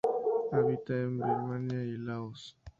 Habita en Birmania y Laos.